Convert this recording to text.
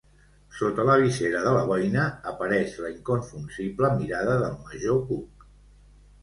Sota la visera de la boina apareix la inconfusible mirada del major Cook.